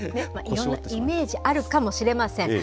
イメージあるかもしれません。